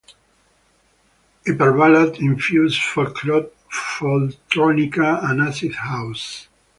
"Hyperballad" infuses folktronica and acid house.